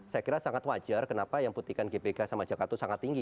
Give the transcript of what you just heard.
saya kira sangat wajar kenapa yang putihkan gbk sama jakarta itu sangat tinggi